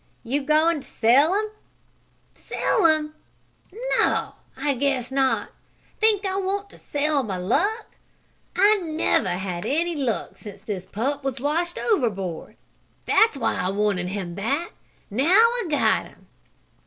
"You goin' t' sell him?" "Sell him? No, I guess not! Think I want to sell my luck? I never had any luck since this pup was washed overboard! That's why I wanted him back. Now I got him."